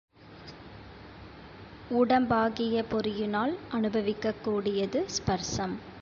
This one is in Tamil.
உடம்பாகிய பொறியினால் அநுபவிக்கக் கூடியது ஸ்பர்சம்.